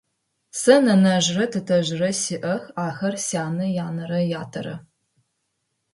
Сэ нэнэжърэ тэтэжърэ сиӏэх, ахэр сянэ янэрэ ятэрэ.